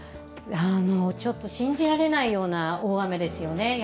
ちょっと信じられないような大雨ですよね。